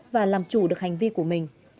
và làm chủ được hành vi của mình